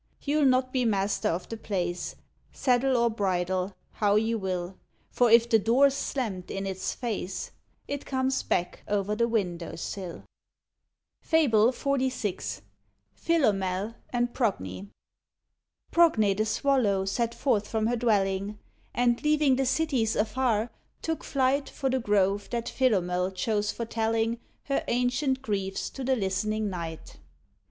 You'll not be master of the place, Saddle or bridle how you will; For if the door's slammed in its face, It comes back o'er the window sill. [Illustration: PHILOMEL AND PROGNE.] FABLE XLVI. PHILOMEL AND PROGNE. Progne, the Swallow, set forth from her dwelling, And, leaving the cities afar, took flight For the grove that Philomel chose for telling Her ancient griefs to the listening night.